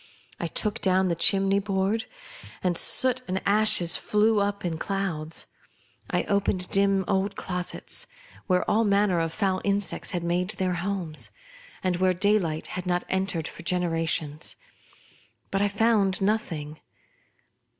I teok down the chimney board, and soot and ashes fiew up in clouds. I opened dim old closets, where all manner of foul ins' daylight had not entered for generations ; but I found nothing.